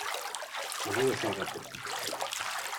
Avere fegato.